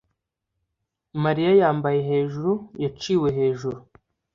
Mariya yambaye hejuruyaciwe hejuru